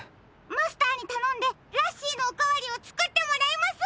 マスターにたのんでラッシーのおかわりをつくってもらいます。